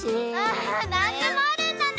なんでもあるんだね！